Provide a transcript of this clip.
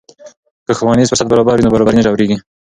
که ښوونیز فرصت برابر وي، نابرابري نه ژورېږي.